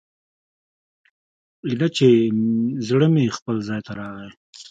ايله چې زړه مې خپل ځاى ته راغى.